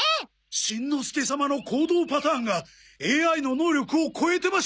しんのすけ様の行動パターンがＡＩの能力を超えてまして。